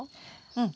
うん。